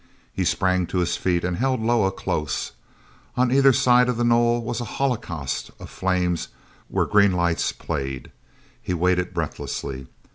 He sprang to his feet and held Loah close. On either side of the knoll was a holocaust of flame where green lights played. He waited breathlessly.